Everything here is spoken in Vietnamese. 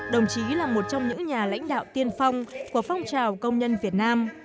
đồng chí là một trong những nhà lãnh đạo tiên phong của phong trào công nhân việt nam